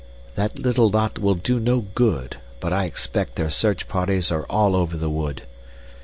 "That little lot will do no good, but I expect their search parties are all over the wood.